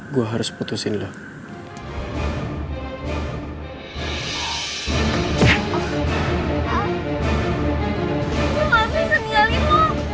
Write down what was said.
gua harus putusin lu